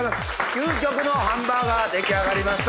究極のハンバーガー出来上がりました。